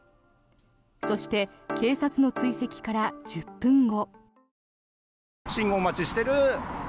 そして警察の追跡から１０分後。